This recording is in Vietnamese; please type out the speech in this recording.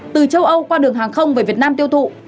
từ châu âu qua đường hàng không về việt nam tiêu thụ